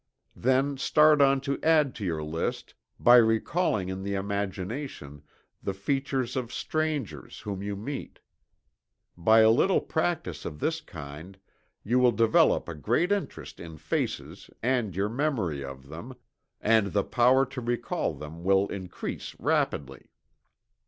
Then start on to add to your list by recalling in the imagination, the features of strangers whom you meet. By a little practice of this kind you will develop a great interest in faces and your memory of them, and the power to recall them will increase rapidly.